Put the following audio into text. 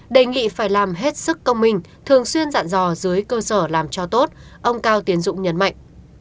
đề nghị phải làm hết sức công minh thường xuyên dạn dò dưới cơ sở làm cho tốt ông cao tiến dũng nhấn mạnh